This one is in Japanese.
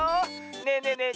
ねえねえねえ